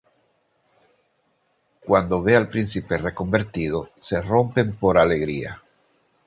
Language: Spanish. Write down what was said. Cuando ve al príncipe reconvertido, se rompen por alegría.